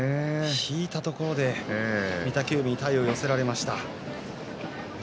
引いたところで御嶽海に体を寄せられました。